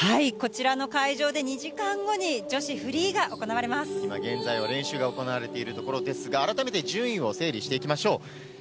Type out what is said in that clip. こちらの会場で２時間後に女現在は練習が行われているところですが、改めて順位を整理していきましょう。